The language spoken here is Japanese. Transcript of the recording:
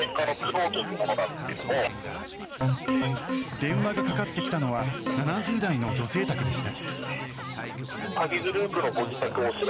電話がかかってきたのは７０代の女性宅でした。